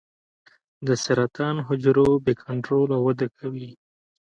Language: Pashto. د سرطان حجرو بې کنټروله وده کوي.